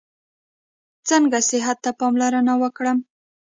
څنګه صحت ته پاملرنه وکړم؟